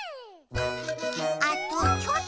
あとちょっと。